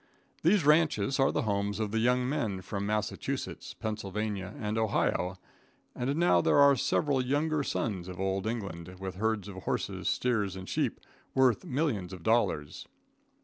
These ranches are the homes of the young men from Massachusetts, Pennsylvania and Ohio, and now there are several "younger sons" of Old England, with herds of horses, steers and sheep, worth millions of dollars.